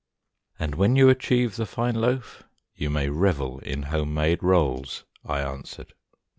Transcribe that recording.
"And when you achieve the fine loaf, you may revel in home made rolls," I answered.